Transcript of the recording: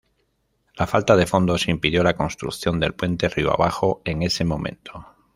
La falta de fondos impidió la construcción del puente río abajo en ese momento.